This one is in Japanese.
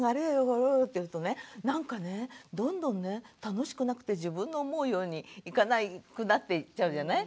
これよと言うとねなんかねどんどんね楽しくなくて自分の思うようにいかなくなっていっちゃうじゃない。